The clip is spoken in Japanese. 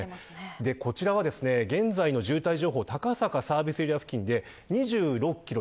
こちらは現在の渋滞情報高坂サービスエリア付近で２６キロ